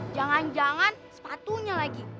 jangan jangan sepatunya lagi